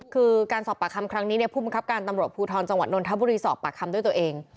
คือการสอบปากคำครั้งนี้ผู้บังคับการตำรวจภูทรจังหวัดนนทบุรีสอบปากคำด้วยตัวเอง